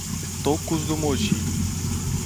Tocos do Moji